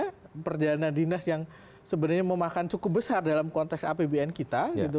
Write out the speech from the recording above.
karena perjalanan dinas yang sebenarnya memakan cukup besar dalam konteks apbn kita